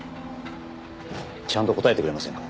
ちゃんと答えてくれませんか？